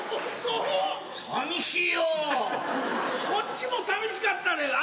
こっちもさみしかったで。